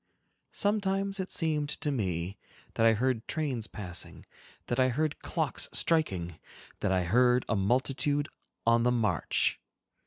Sometimes it seemed to me that I heard trains passing, that I heard clocks striking, that I heard a multitude on the march.